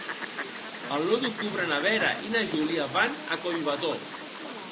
El nou d'octubre na Vera i na Júlia van a Collbató.